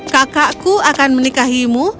kakakku akan menikahimu